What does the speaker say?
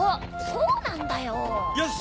そうなんだよ。よし！